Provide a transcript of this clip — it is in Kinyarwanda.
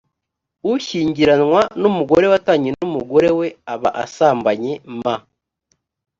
ushyingiranwa n umugore watanye n umugabo we aba asambanye m